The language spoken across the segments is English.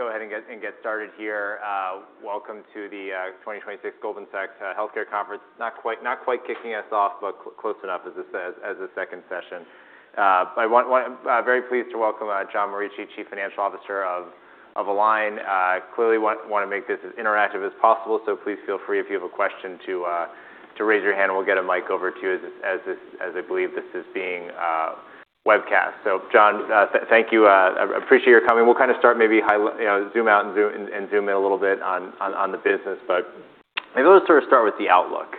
Let's go ahead and get started here. Welcome to the 2026 Goldman Sachs Healthcare Conference. Not quite kicking us off, but close enough as the second session. I'm very pleased to welcome John Morici, Chief Financial Officer of Align. Clearly, want to make this as interactive as possible, so please feel free, if you have a question, to raise your hand and we'll get a mic over to you as I believe this is being webcast. John, thank you. I appreciate your coming. We'll kind of start maybe zoom out and zoom in a little bit on the business. Maybe let's sort of start with the outlook.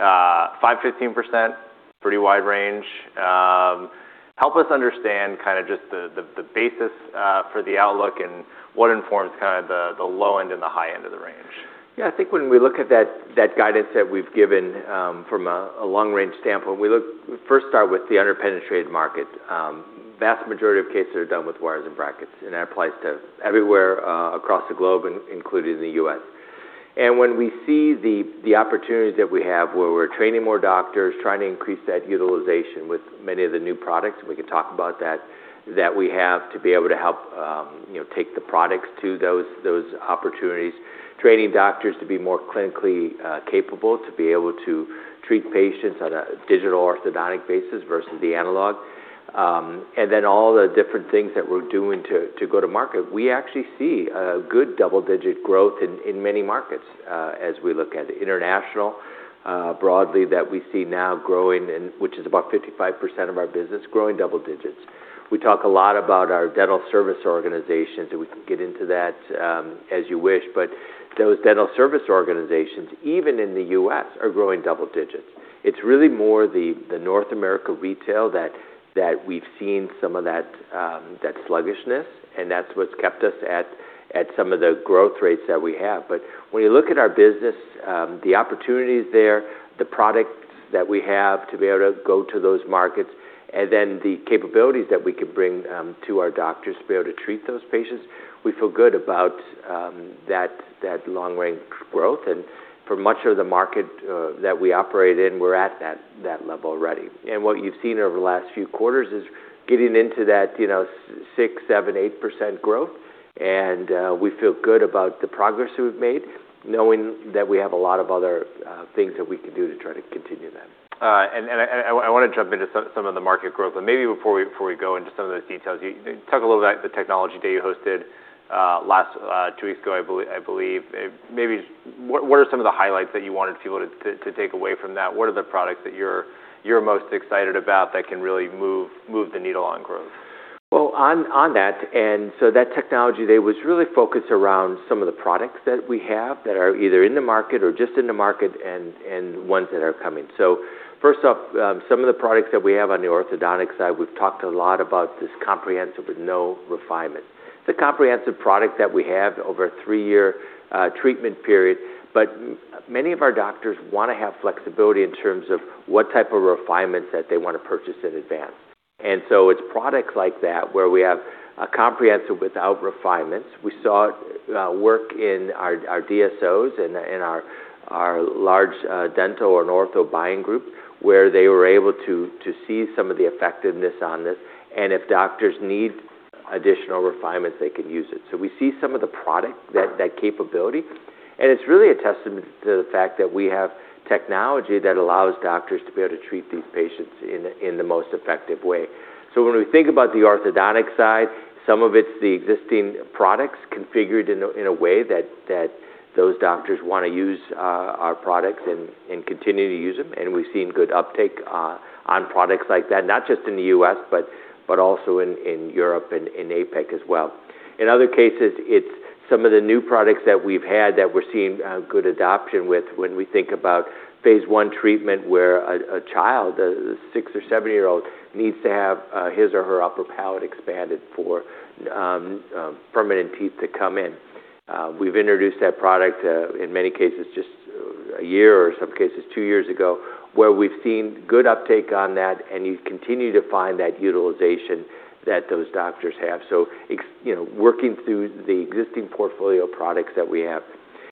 5%-15%, pretty wide range. Help us understand kind of just the basis for the outlook and what informs kind of the low end and the high end of the range. I think when we look at that guidance that we've given from a long-range standpoint, we first start with the under-penetrated market. Vast majority of cases are done with wires and brackets, and that applies to everywhere across the globe, including the U.S. When we see the opportunities that we have where we're training more doctors, trying to increase that utilization with many of the new products, we can talk about that we have to be able to help take the products to those opportunities. Training doctors to be more clinically capable, to be able to treat patients on a digital orthodontic basis versus the analog. Then all the different things that we're doing to go to market. We actually see a good double-digit growth in many markets as we look at international broadly, that we see now growing, which is about 55% of our business growing double digits. We talk a lot about our dental service organizations, we can get into that as you wish. Those dental service organizations, even in the U.S., are growing double digits. It's really more the North America retail that we've seen some of that sluggishness, [and] that's what's kept us at some of the growth rates that we have. When you look at our business, the opportunities there, the products that we have to be able to go to those markets, then the capabilities that we can bring to our doctors to be able to treat those patients, we feel good about that long-range growth. For much of the market that we operate in, we're at that level already. What you've seen over the last few quarters is getting into that 6%, 7%, 8% growth. We feel good about the progress we've made, knowing that we have a lot of other things that we can do to try to continue that. I want to jump into some of the market growth, but maybe before we go into some of those details, you talked a little about the technology day you hosted two weeks ago, I believe. What are some of the highlights that you wanted people to take away from that? What are the products that you're most excited about that can really move the needle on growth? On that technology day was really focused around some of the products that we have that are either in the market or just in the market and ones that are coming. First off, some of the products that we have on the orthodontic side, we've talked a lot about this comprehensive with no refinement. It's a comprehensive product that we have over a three-year treatment period. Many of our doctors want to have flexibility in terms of what type of refinements that they want to purchase in advance. It's products like that where we have a comprehensive without refinements. We saw work in our DSOs and our large dental or ortho buying group, where they were able to see some of the effectiveness on this. If doctors need additional refinements, they can use it. We see some of the product, that capability, it's really a testament to the fact that we have technology that allows doctors to be able to treat these patients in the most effective way. When we think about the orthodontic side, some of it's the existing products configured in a way that those doctors want to use our products and continue to use them. We've seen good uptake on products like that, not just in the U.S., but also in Europe and in APAC as well. In other cases, it's some of the new products that we've had that we're seeing good adoption with. When we think about phase I treatment, where a child, a six or seven-year-old, needs to have his or her upper palate expanded for permanent teeth to come in. We've introduced that product in many cases just a year or some cases two years ago, where we've seen good uptake on that. You continue to find that utilization that those doctors have. [So] working through the existing portfolio of products that we have.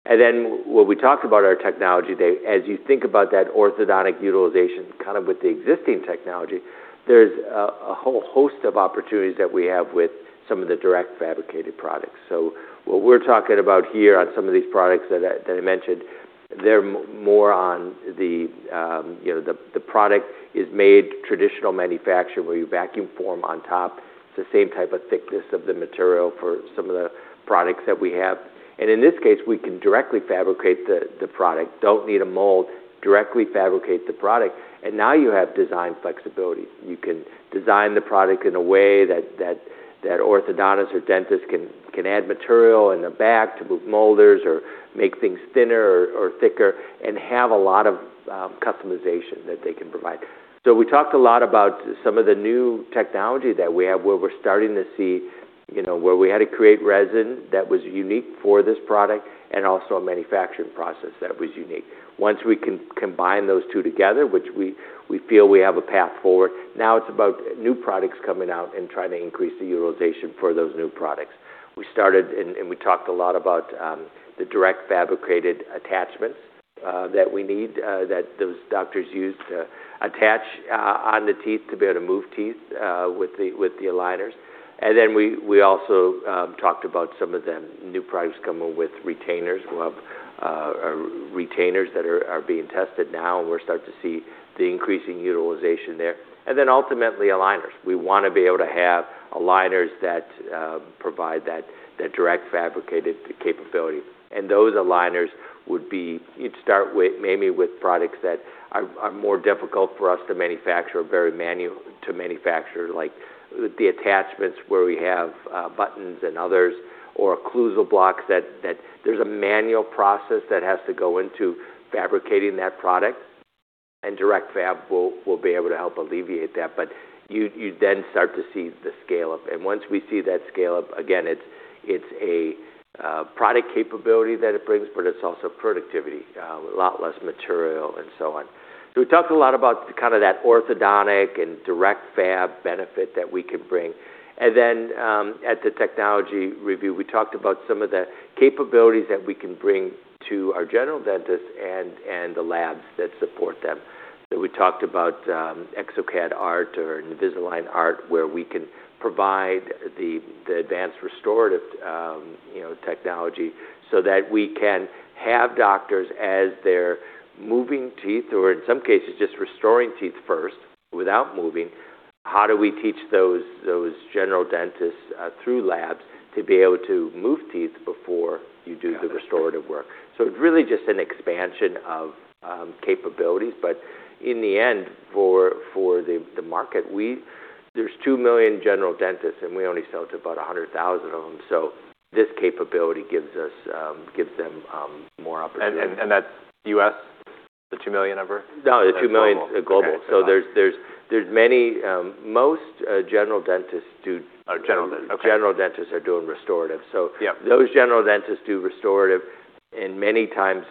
When we talked about our technology day, as you think about that orthodontic utilization, kind of with the existing technology, there's a whole host of opportunities that we have with some of the direct fabricated products. What we're talking about here on some of these products that I mentioned, they're more on the product is made traditional manufacture, where you vacuum form on top. It's the same type of thickness of the material for some of the products that we have. In this case, we can directly fabricate the product, don't need a mold, directly fabricate the product. Now you have design flexibility. You can design the product in a way that orthodontists or dentists can add material in the back to move molars or make things thinner or thicker and have a lot of customization that they can provide. We talked a lot about some of the new technology that we have where we're starting to see where we had to create resin that was unique for this product and also a manufacturing process that was unique. Once we combine those two together, which we feel we have a path forward. It's about new products coming out and trying to increase the utilization for those new products. We started and we talked a lot about the direct fabricated attachments that we need, that doctors use to attach on the teeth to be able to move teeth with the aligners. We also talked about some of the new products coming with retainers, we'll have retainers that are being tested now, and we're starting to see the increasing utilization there. Ultimately aligners. We want to be able to have aligners that provide that direct fabricated capability. And those aligners would be, you'd start maybe with products that are more difficult for us to manufacture, are very manual to manufacture, like the attachments where we have buttons and others, or occlusal blocks, that there's a manual process that has to go into fabricating that product. [And] direct fabricated will be able to help alleviate that. But you then start to see the scale-up. Once we see that scale-up, again, it's a product capability that it brings, but it's also productivity, a lot less material and so on. We talked a lot about kind of that orthodontic and direct fabricated benefit that we can bring. And then, at the technology review, we talked about some of the capabilities that we can bring to our general dentists and the labs that support them. We talked about exocad ART or Invisalign Art, where we can provide the advanced restorative technology so that we can have doctors as they're moving teeth, or in some cases, just restoring teeth first without moving, how do we teach those general dentists through labs to be able to move teeth before you do the restorative work? It's really just an expansion of capabilities. But in the end, for the market, there's 2 million general dentists, and we only sell to about 100,000 of them. This capability gives them more opportunities. That's U.S., the $2 million number? The $2 million. Global. Global. Okay. Most general dentists do. Are general dentists. Okay. General dentists are doing restorative. Yep. Those general dentists do restorative, many times,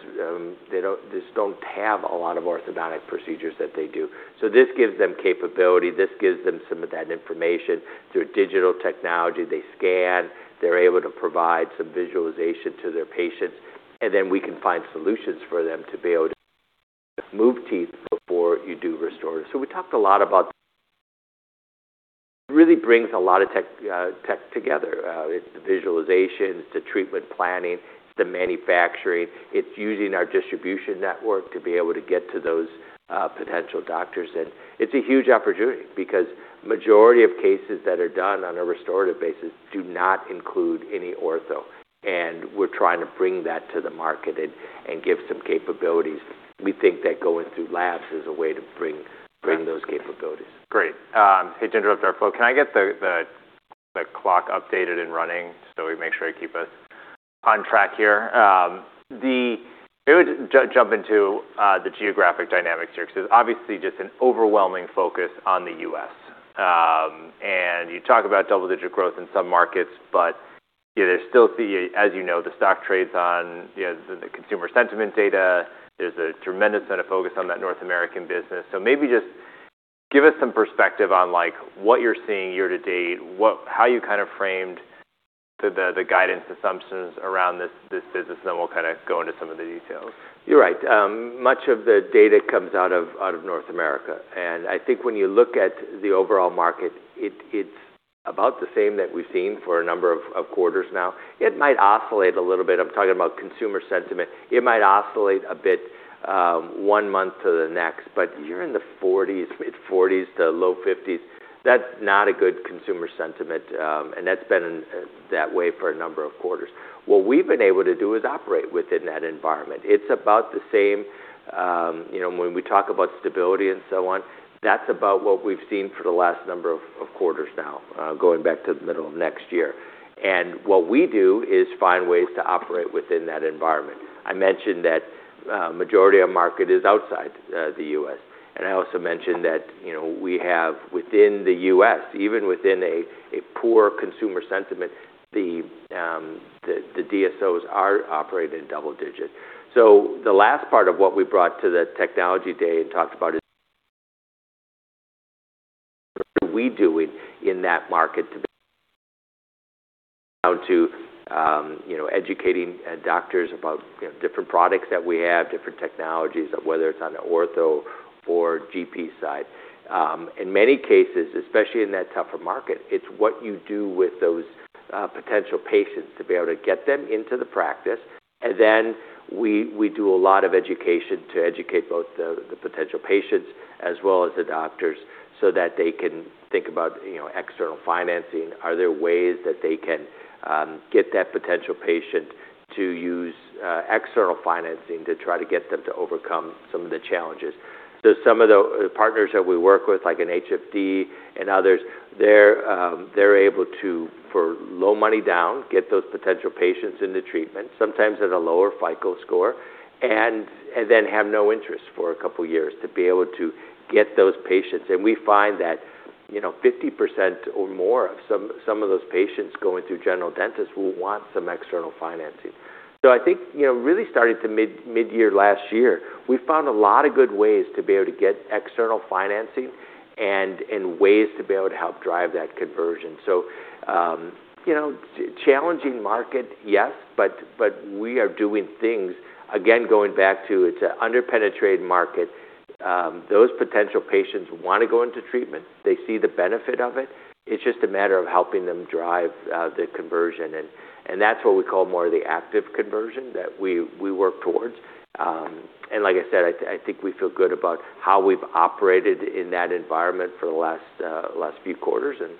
they just don't have a lot of orthodontic procedures that they do. This gives them capability. This gives them some of that information through digital technology. They scan, they're able to provide some visualization to their patients, then we can find solutions for them to be able to move teeth before you do restorative. Really brings a lot of tech together. It's the visualization, the treatment planning, the manufacturing. It's using our distribution network to be able to get to those potential doctors. It's a huge opportunity because majority of cases that are done on a restorative basis do not include any ortho, and we're trying to bring that to the market and give some capabilities. We think that going through labs is a way to bring those capabilities. Great. Hey, to interrupt our flow, can I get the clock updated and running so we make sure I keep us on track here? Maybe we just jump into the geographic dynamics here, because there's obviously just an overwhelming focus on the U.S. You talk about double-digit growth in some markets, but there's still, as you know, the stock trades on the consumer sentiment data. There's a tremendous amount of focus on that North American business. Maybe just give us some perspective on what you're seeing year to date, how you kind of framed the guidance assumptions around this business, and then we'll kind of go into some of the details. You're right. Much of the data comes out of North America. I think when you look at the overall market, it's about the same that we've seen for a number of quarters now. It might oscillate a little bit. I'm talking about consumer sentiment. It might oscillate a bit one month to the next, but you're in the 40s to low 50s. That's not a good consumer sentiment, and that's been that way for a number of quarters. What we've been able to do is operate within that environment. It's about the same, when we talk about stability and so on, that's about what we've seen for the last number of quarters now, going back to the middle of next year. What we do is find ways to operate within that environment. I mentioned that majority of market is outside the U.S., and I also mentioned that we have within the U.S., even within a poor consumer sentiment, the DSOs are operating in double digits. The last part of what we brought to the technology day and talked about is we doing in that market to educating doctors about different products that we have, different technologies, whether it's on the ortho or GP side. In many cases, especially in that tougher market, it's what you do with those potential patients to be able to get them into the practice. We do a lot of education to educate both the potential patients as well as the doctors so that they can think about external financing. Are there ways that they can get that potential patient to use external financing to try to get them to overcome some of the challenges? Some of the partners that we work with, like an HFD and others, they're able to, for low money down, get those potential patients into treatment, sometimes at a lower FICO score, and then have no interest for a couple of years to be able to get those patients. We find that 50% or more of some of those patients going through general dentists will want some external financing. I think, really starting to mid-year last year, we found a lot of good ways to be able to get external financing and ways to be able to help drive that conversion. Challenging market, yes. We are doing things, again, going back to it's an under-penetrated market. Those potential patients want to go into treatment. They see the benefit of it. It's just a matter of helping them drive the conversion, and that's what we call more the active conversion that we work towards. Like I said, I think we feel good about how we've operated in that environment for the last few quarters, and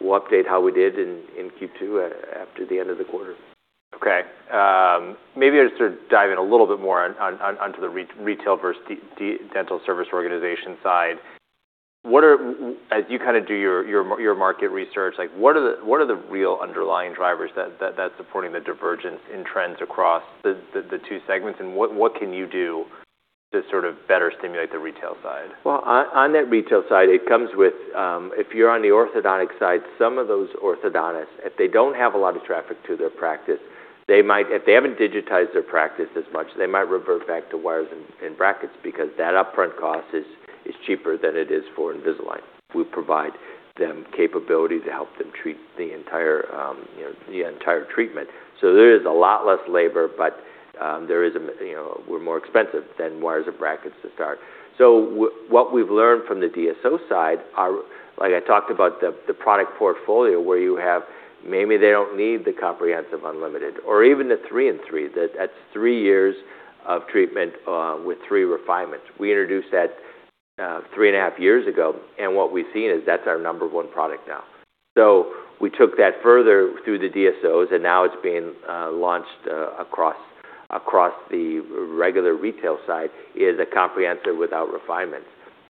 we'll update how we did in Q2 after the end of the quarter. Okay. Maybe I'll just sort of dive in a little bit more onto the retail versus dental service organization side. As you do your market research, what are the real underlying drivers that's supporting the divergence in trends across the two segments, and what can you do to sort of better stimulate the retail side? On that retail side, it comes with, if you're on the orthodontic side, some of those orthodontists, if they don't have a lot of traffic to their practice, if they haven't digitized their practice as much, they might revert back to wires and brackets because that upfront cost is cheaper than it is for Invisalign. We provide them capability to help them treat the entire treatment. There is a lot less labor, but we're more expensive than wires or brackets to start. What we've learned from the DSO side are, like I talked about, the product portfolio where you have, maybe they don't need the comprehensive unlimited or even the three-in-three, that's three years of treatment with three refinements. We introduced that three and a half years ago, and what we've seen is that's our number one product now. We took that further through the DSOs, and now it's being launched across the regular retail side, is a comprehensive without refinements.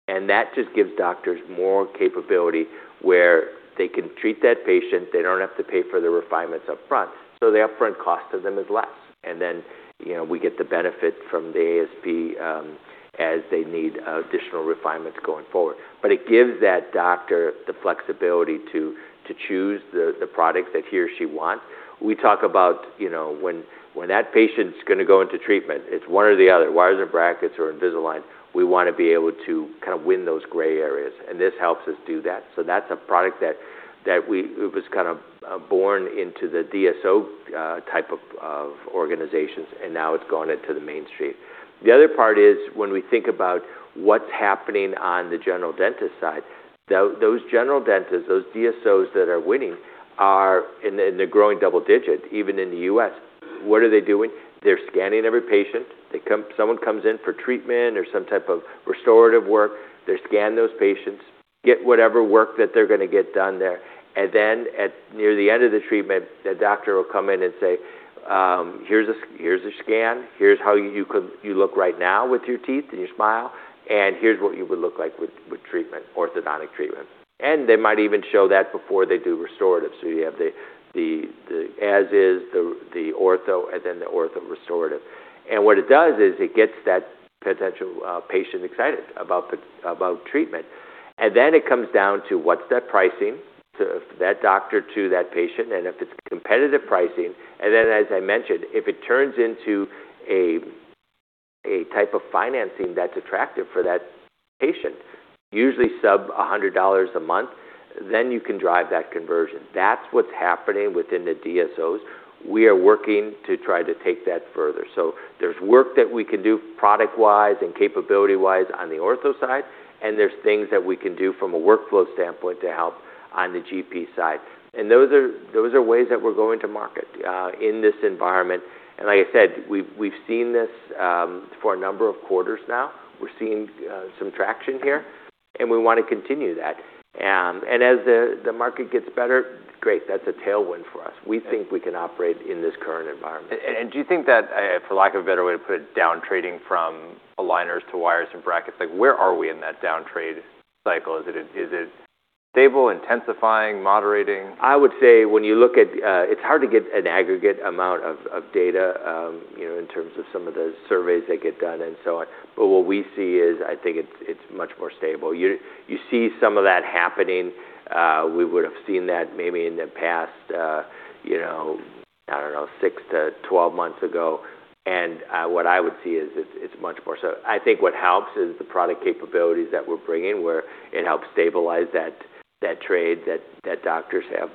That just gives doctors more capability where they can treat that patient. They don't have to pay for the refinements upfront, so the upfront cost to them is less. Then, we get the benefit from the ASP, as they need additional refinements going forward. It gives that doctor the flexibility to choose the product that he or she wants. We talk about when that patient's going to go into treatment, it's one or the other, wires or brackets or Invisalign. We want to be able to kind of win those gray areas, and this helps us do that. That's a product that was kind of born into the DSO type of organizations, and now it's gone into the mainstream. The other part is when we think about what's happening on the general dentist side, those general dentists, those DSOs that are winning, and they're growing double digits even in the U.S. What are they doing? They're scanning every patient. Someone comes in for treatment or some type of restorative work. They scan those patients, get whatever work that they're going to get done there, and then at near the end of the treatment, the doctor will come in and say, "Here's a scan. Here's how you look right now with your teeth and your smile, and here's what you would look like with orthodontic treatment." They might even show that before they do restorative. You have the as is, the ortho, and then the ortho restorative. What it does is it gets that potential patient excited about treatment. [And then,] it comes down to what's that pricing to that doctor, to that patient, and if it's competitive pricing. Then, as I mentioned, if it turns into a type of financing that's attractive for that patient, usually sub-$100 a month, then you can drive that conversion. That's what's happening within the DSOs. We are working to try to take that further. There's work that we can do product-wise and capability-wise on the ortho side, and there's things that we can do from a workflow standpoint to help on the GP side. Those are ways that we're going to market in this environment. Like I said, we've seen this for a number of quarters now. We're seeing some traction here, and we want to continue that. As the market gets better, great, that's a tailwind for us. We think we can operate in this current environment. Do you think that, for lack of a better way to put it, downtrading from aligners to wires and brackets, like where are we in that downtrade cycle? Is it stable, intensifying, moderating? It's hard to get an aggregate amount of data, in terms of some of the surveys that get done and so on. What we see is, I think it's much more stable. You see some of that happening. We would've seen that maybe in the past, I don't know, 6-12 months ago. I think what helps is the product capabilities that we're bringing, where it helps stabilize that trade that doctors have.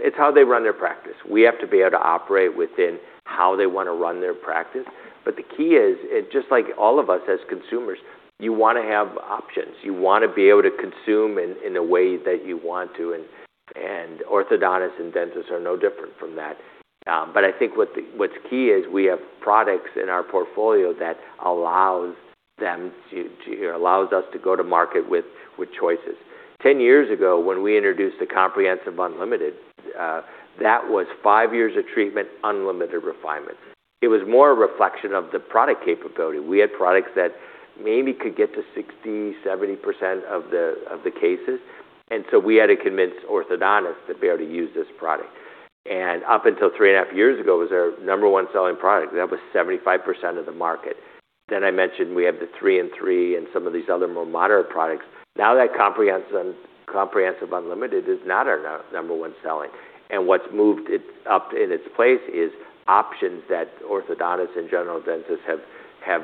It's how they run their practice. We have to be able to operate within how they want to run their practice. The key is, just like all of us as consumers, you want to have options. You want to be able to consume in a way that you want to, orthodontists and dentists are no different from that. I think what's key is we have products in our portfolio that allows us to go to market with choices. 10 years ago, when we introduced the Comprehensive Unlimited, that was five years of treatment, unlimited refinements. It was more a reflection of the product capability. We had products that maybe could get to 60%, 70% of the cases, we had to convince orthodontists to be able to use this product. Up until three and a half years ago, it was our number 1 selling product. That was 75% of the market. I mentioned we have the Three-in-Three and some of these other more moderate products. Now that Comprehensive Unlimited is not our number 1 selling. What's moved it up in its place is options that orthodontists and general dentists have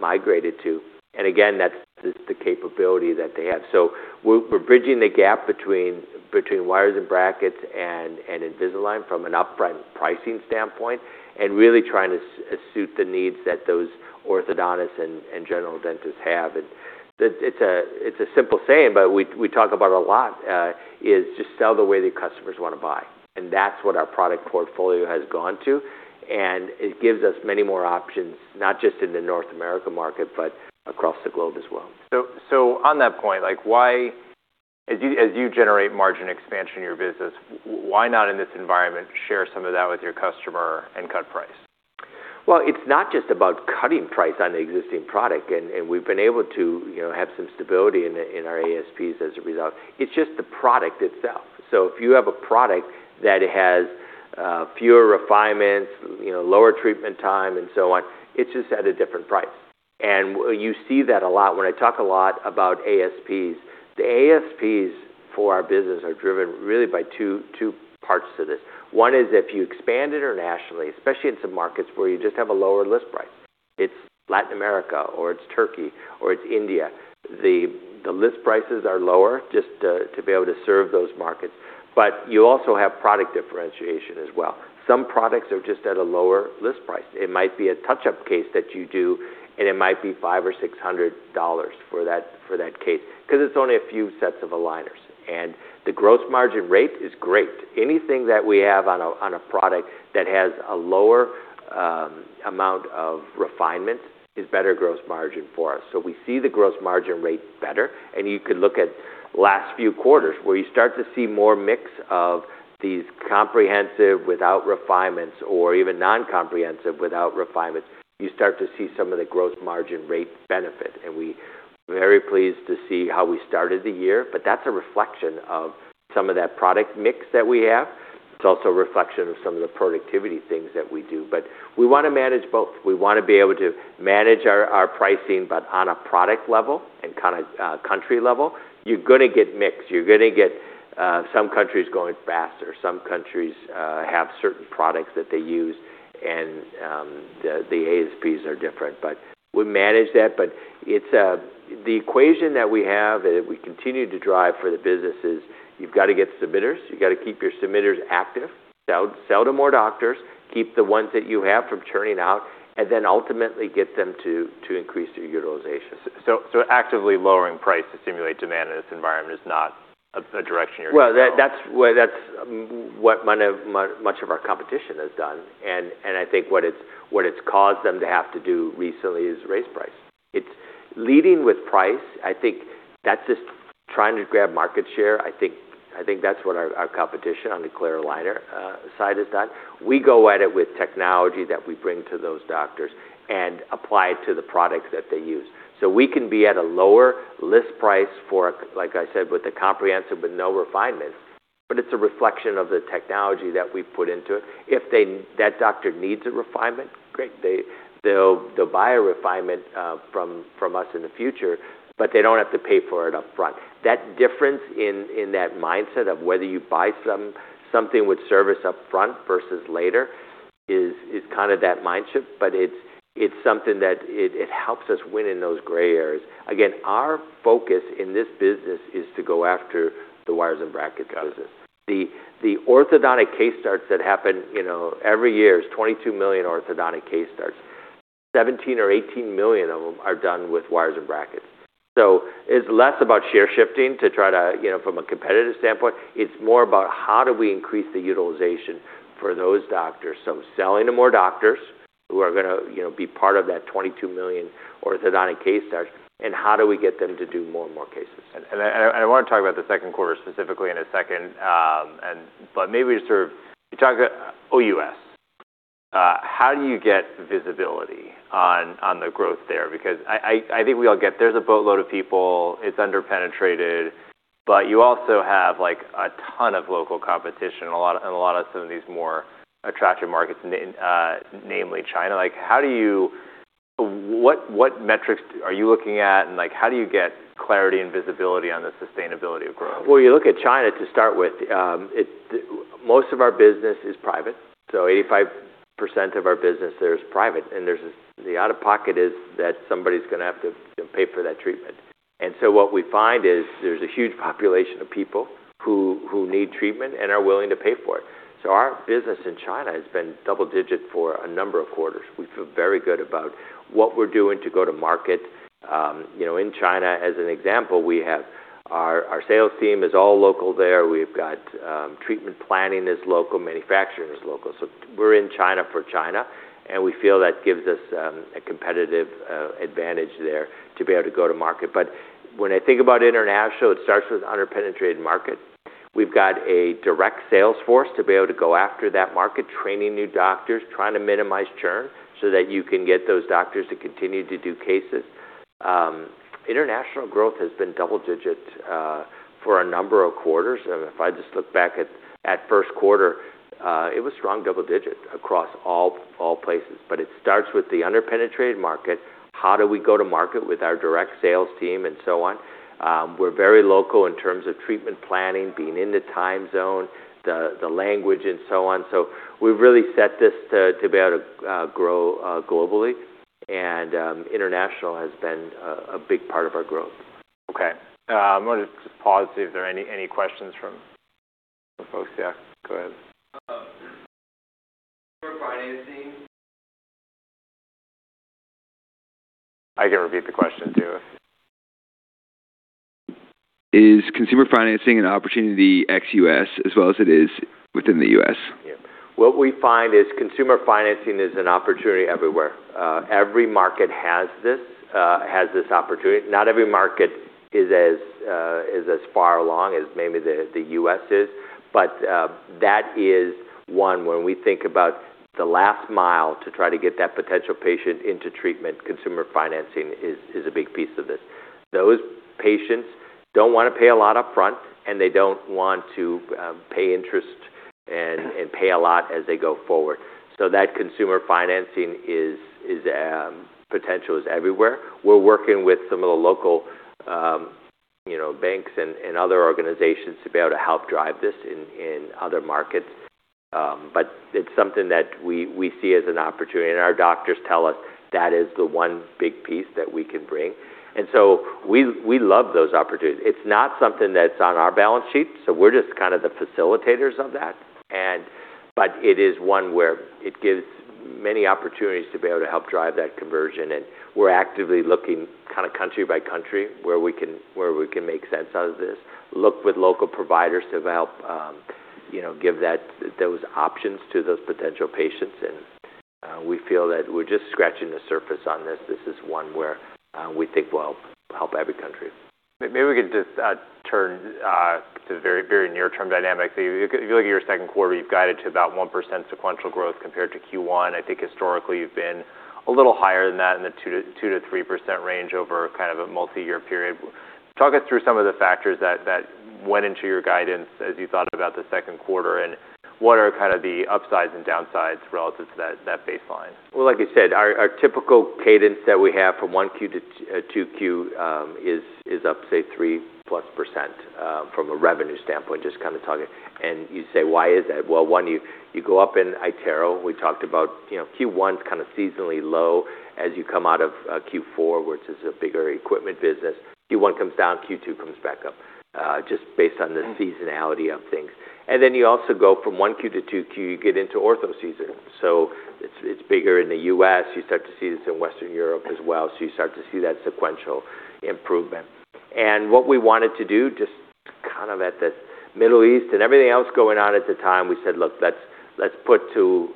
migrated to. Again, that's the capability that they have. We're bridging the gap between wires and brackets and Invisalign from an upfront pricing standpoint, and really trying to suit the needs that those orthodontists and general dentists have. It's a simple saying, but we talk about a lot, is just sell the way the customers want to buy. That's what our product portfolio has gone to, and it gives us many more options, not just in the North America market, but across the globe as well. On that point, [why], as you generate margin expansion in your business, why not in this environment share some of that with your customer and cut price? Well, it's not just about cutting price on the existing product, and we've been able to have some stability in our ASPs as a result. It's just the product itself. If you have a product that has fewer refinements, lower treatment time, and so on, it's just at a different price. You see that a lot. When I talk a lot about ASPs, the ASPs for our business are driven really by two parts to this. One is if you expand internationally, especially in some markets where you just have a lower list price, it's Latin America, or it's Turkey, or it's India, the list prices are lower just to be able to serve those markets. You also have product differentiation as well. Some products are just at a lower list price. It might be a touch-up case that you do, and it might be $500 or $600 for that case, because it's only a few sets of aligners. The gross margin rate is great. Anything that we have on a product that has a lower amount of refinement is better gross margin for us. We see the gross margin rate better, and you could look at last few quarters where you start to see more mix of these comprehensive without refinements or even non-comprehensive without refinements. You start to see some of the gross margin rate benefit, and we're very pleased to see how we started the year. [But] that's a reflection of some of that product mix that we have. It's also a reflection of some of the productivity things that we do. We want to manage both. We want to be able to manage our pricing, on a product level and country level, you're going to get mix. You're going to get some countries going faster, some countries have certain products that they use, and the ASPs are different, we manage that. The equation that we have, and we continue to drive for the business is you've got to get submitters, you've got to keep your submitters active. Sell to more doctors, keep the ones that you have from churning out, and then ultimately get them to increase their utilization. Actively lowering price to stimulate demand in this environment is not a direction you're going to go. That's what much of our competition has done, and I think what it's caused them to have to do recently is raise price. It's leading with price. I think that's just trying to grab market share. I think that's what our competition on the clear aligner side has done. We go at it with technology that we bring to those doctors and apply it to the products that they use. We can be at a lower list price for, like I said, with the comprehensive but no refinements, but it's a reflection of the technology that we've put into it. If that doctor needs a refinement, great. They'll buy a refinement from us in the future, but they don't have to pay for it upfront. That difference in that mindset of whether you buy something with service upfront versus later is kind of that mind shift. It's something that it helps us win in those gray areas. Again, our focus in this business is to go after the wires and brackets business. Got it. The orthodontic case starts that happen every year is 22 million orthodontic case starts. 17 or 18 million of them are done with wires and brackets. It's less about share shifting to try to, from a competitive standpoint, it's more about how do we increase the utilization for those doctors. Selling to more doctors who are going to be part of that 22 million orthodontic case starts, and how do we get them to do more and more cases? I want to talk about the second quarter specifically in a second, but maybe just sort of, you talk about OUS. How do you get visibility on the growth there? Because I think we all get there's a boatload of people, it's under-penetrated, but you also have a ton of local competition in a lot of some of these more attractive markets, namely China. [How do you], what metrics are you looking at, and how do you get clarity and visibility on the sustainability of growth? You look at China to start with. Most of our business is private, 85% of our business there is private, and the out-of-pocket is that somebody's going to have to pay for that treatment. What we find is there's a huge population of people who need treatment and are willing to pay for it. Our business in China has been double digit for a number of quarters. We feel very good about what we're doing to go to market. In China, as an example, our sales team is all local there. We've got treatment planning is local, manufacturing is local. We're in China for China, and we feel that gives us a competitive advantage there to be able to go to market. When I think about international, it starts with under-penetrated market. We've got a direct sales force to be able to go after that market, training new doctors, trying to minimize churn so that you can get those doctors to continue to do cases. International growth has been double-digit for a number of quarters. If I just look back at first quarter, it was strong double-digit across all places. It starts with the under-penetrated market. How do we go to market with our direct sales team and so on? We're very local in terms of treatment planning, being in the time zone, the language, and so on. We've really set this to be able to grow globally, and international has been a big part of our growth. Okay. I'm going to just pause, see if there are any questions from folks. Yeah, go ahead. Consumer financing. I can repeat the question, too. Is consumer financing an opportunity ex-U.S. as well as it is within the U.S.? Yeah. What we find is consumer financing is an opportunity everywhere. Every market has this opportunity. Not every market is as far along as maybe the U.S. is. That is one, when we think about the last mile to try to get that potential patient into treatment, consumer financing is a big piece of this. Those patients don't want to pay a lot up front, and they don't want to pay interest and pay a lot as they go forward. That consumer financing potential is everywhere. We're working with some of the local banks and other organizations to be able to help drive this in other markets. It's something that we see as an opportunity, and our doctors tell us that is the one big piece that we can bring. We love those opportunities. It's not something that's on our balance sheet, we're just kind of the facilitators of that. It is one where it gives many opportunities to be able to help drive that conversion, and we're actively looking country by country where we can make sense out of this. Look with local providers to help give those options to those potential patients, and we feel that we're just scratching the surface on this. This is one where we think will help every country. Maybe we could just turn to very near-term dynamics. If you look at your second quarter, you've guided to about 1% sequential growth compared to Q1. I think historically, you've been a little higher than that, in the 2%-3% range over a multi-year period. Talk us through some of the factors that went into your guidance as you thought about the second quarter, and what are the upsides and downsides relative to that baseline? Well, like you said, our typical cadence that we have from 1Q-2Q is up, say, 3% plus from a revenue standpoint, just kind of talking. You say, "Why is that?" Well, 1, you go up in iTero. We talked about Q1's kind of seasonally low as you come out of Q4, which is a bigger equipment business. Q1 comes down, Q2 comes back up, just based on the seasonality of things. You also go from 1Q-2Q, you get into ortho season. It's bigger in the U.S. You start to see this in Western Europe as well. You start to see that sequential improvement. What we wanted to do, just kind of at the Middle East and everything else going on at the time, we said, "Look, let's put to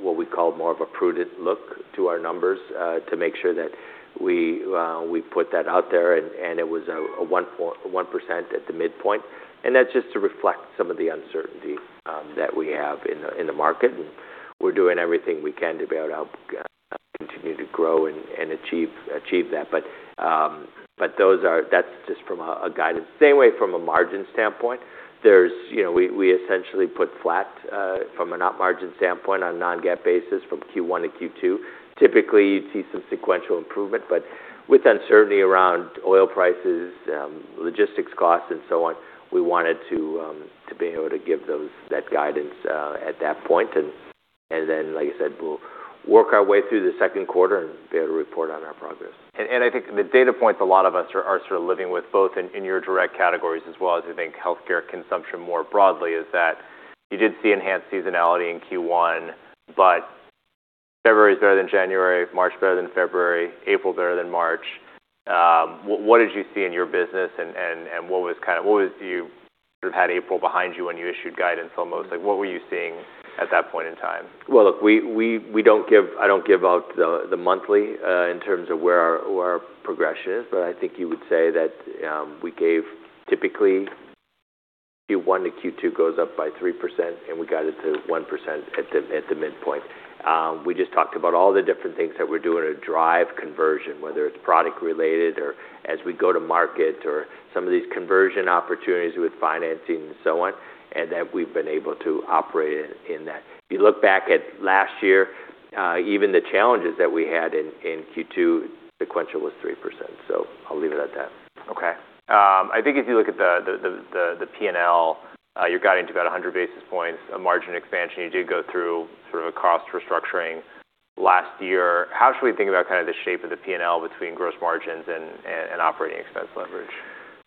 what we call more of a prudent look to our numbers to make sure that we put that out there." It was a 1% at the midpoint, and that's just to reflect some of the uncertainty that we have in the market, and we're doing everything we can to be able to help continue to grow and achieve that. [But] that's just from a guidance. Same way from a margin standpoint. We essentially put flat from an op margin standpoint on a non-GAAP basis from Q1-Q2. Typically, you'd see some sequential improvement, but with uncertainty around oil prices, logistics costs, and so on, we wanted to be able to give that guidance at that point. Like I said, we'll work our way through the second quarter and be able to report on our progress. I think the data points a lot of us are sort of living with, both in your direct categories as well as, I think, healthcare consumption more broadly, is that you did see enhanced seasonality in Q1. February is better than January, March better than February, April better than March. What did you see in your business and what was you sort of had April behind you when you issued guidance almost? What were you seeing at that point in time? Well, look, I don't give out the monthly in terms of where our progression is. I think you would say that we gave typically Q1-Q2 goes up by 3%, and we guided to 1% at the midpoint. We just talked about all the different things that we're doing to drive conversion, whether it's product related or as we go to market or some of these conversion opportunities with financing and so on, and that we've been able to operate in that. If you look back at last year, even the challenges that we had in Q2, sequential was 3%. I'll leave it at that. Okay. I think if you look at the P&L, you're guiding to about 100 basis points of margin expansion. You did go through sort of a cost restructuring last year. How should we think about kind of the shape of the P&L between gross margins and operating expense leverage?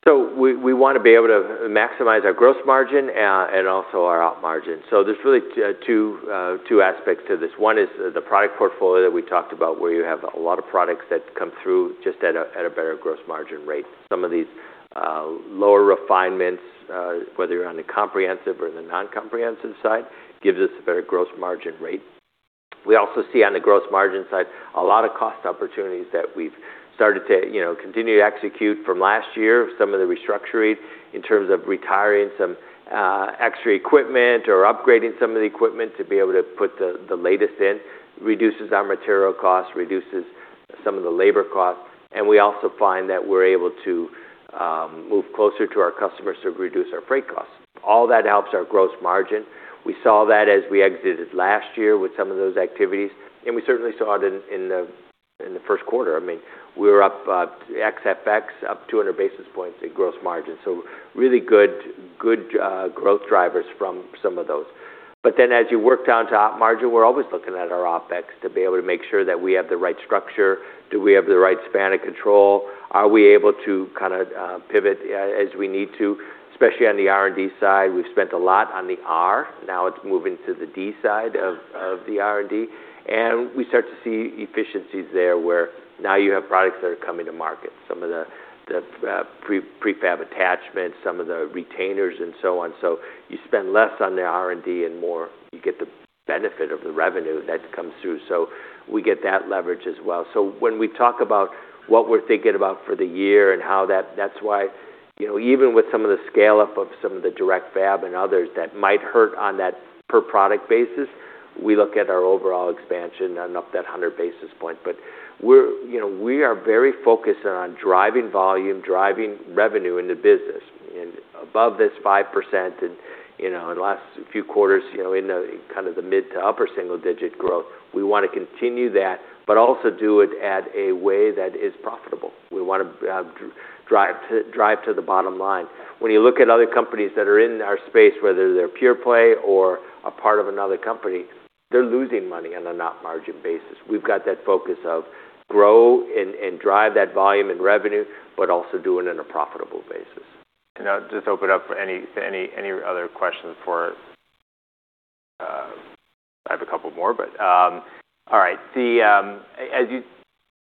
We want to be able to maximize our gross margin and also our op margin. There's really two aspects to this. One is the product portfolio that we talked about, where you have a lot of products that come through just at a better gross margin rate. Some of these lower refinements, whether on the comprehensive or the non-comprehensive side, gives us a better gross margin rate. We also see on the gross margin side a lot of cost opportunities that we've started to continue to execute from last year of some of the restructuring in terms of retiring some extra equipment or upgrading some of the equipment to be able to put the latest in. Reduces our material cost, reduces some of the labor costs. We also find that we're able to move closer to our customers to reduce our freight costs. All that helps our gross margin. We saw that as we exited last year with some of those activities, and we certainly saw it in the first quarter. We were up ex-FX, up 200 basis points in gross margin. Really good growth drivers from some of those. As you work down to op margin, we're always looking at our OPEX to be able to make sure that we have the right structure. Do we have the right span of control? Are we able to pivot as we need to, especially on the R&D side? We've spent a lot on the R, now it's moving to the D side of the R&D. We start to see efficiencies there where now you have products that are coming to market, some of the prefabricated attachments, some of the retainers and so on. You spend less on the R&D and more you get the benefit of the revenue that comes through. We get that leverage as well. When we talk about what we're thinking about for the year and how that's why even with some of the scale-up of some of the direct fabricated and others that might hurt on that per product basis, we look at our overall expansion and up that 100 basis point. We are very focused on driving volume, driving revenue in the business, and above this 5%, and in the last few quarters, in the mid to upper single digit growth. We want to continue that, but also do it at a way that is profitable. We want to drive to the bottom line. When you look at other companies that are in our space, whether they're pure play or a part of another company, they're losing money on a net margin basis. We've got that focus of grow and drive that volume and revenue, but also do it in a profitable basis. I'll just open up for any other questions for I have a couple more, but all right. As you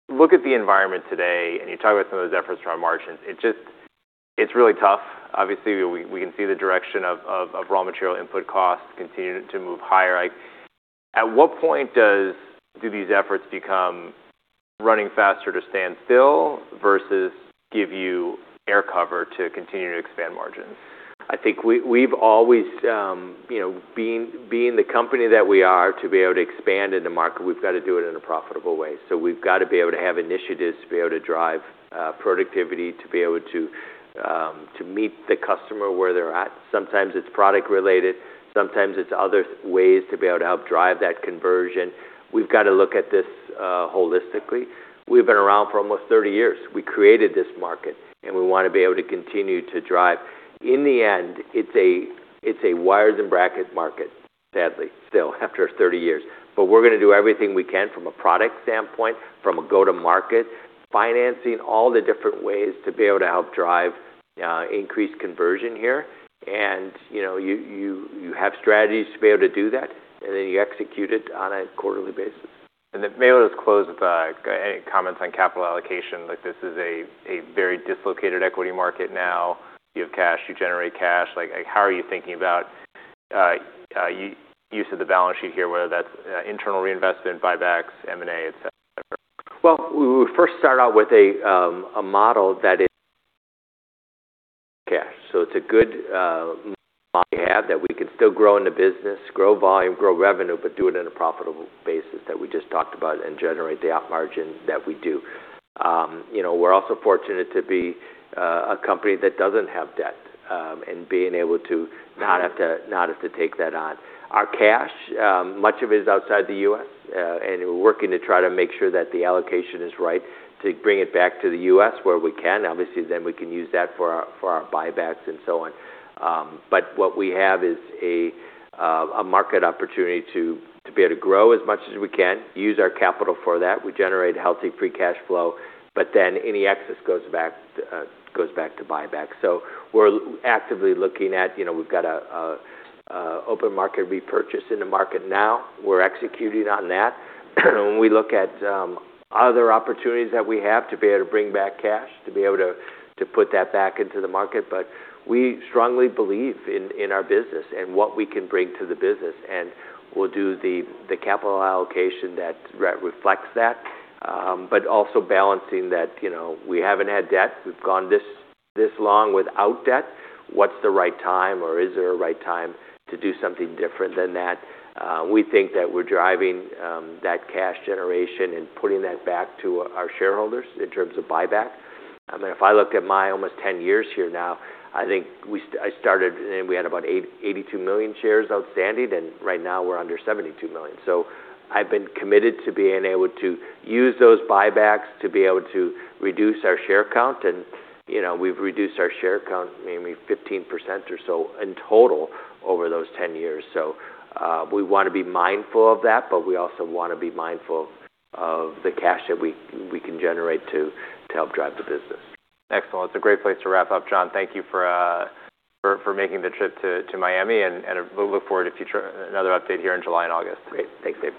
look at the environment today and you talk about some of those efforts around margins, it's really tough. Obviously, we can see the direction of raw material input costs continue to move higher. At what point do these efforts become running faster to stand still versus give you air cover to continue to expand margins? I think we've always, being the company that we are, to be able to expand in the market, we've got to do it in a profitable way. We've got to be able to have initiatives to be able to drive productivity, to be able to meet the customer where they're at. Sometimes it's product related, sometimes it's other ways to be able to help drive that conversion. We've got to look at this holistically. We've been around for almost 30 years. We created this market, we want to be able to continue to drive. In the end, it's a wires and brackets market, sadly, still, after 30 years. We're going to do everything we can from a product standpoint, from a go-to-market, financing, all the different ways to be able to help drive increased conversion here. You have strategies to be able to do that, you execute it on a quarterly basis. Maybe let's close with any comments on capital allocation. This is a very dislocated equity market now. You have cash, you generate cash. How are you thinking about use of the balance sheet here, whether that's internal reinvestment, buybacks, M&A, et cetera? Well, we first start out with a model that is cash. It's a good model to have that we can still grow in the business, grow volume, grow revenue, but do it in a profitable basis that we just talked about and generate the op margin that we do. We're also fortunate to be a company that doesn't have debt, being able to not have to take that on. Our cash, much of it is outside the U.S., we're working to try to make sure that the allocation is right to bring it back to the U.S. where we can. Obviously, we can use that for our buybacks and so on. What we have is a market opportunity to be able to grow as much as we can, use our capital for that. We generate healthy free cash flow. Any excess goes back to buyback. We're actively looking at, we've got an open market repurchase in the market now. We're executing on that. When we look at other opportunities that we have to be able to bring back cash, to be able to put that back into the market. We strongly believe in our business and what we can bring to the business, and we'll do the capital allocation that reflects that. Also balancing that we haven't had debt. We've gone this long without debt. What's the right time or is there a right time to do something different than that? We think that we're driving that cash generation and putting that back to our shareholders in terms of buyback. If I look at my almost ten years here now, I think I started and we had about 82 million shares outstanding, and right now we're under 72 million. I've been committed to being able to use those buybacks to be able to reduce our share count, and we've reduced our share count maybe 15% or so in total over those ten years. We want to be mindful of that, but we also want to be mindful of the cash that we can generate to help drive the business. Excellent. It's a great place to wrap up, John. Thank you for making the trip to Miami, and we'll look forward to another update here in July and August. Great. Thanks, Dave.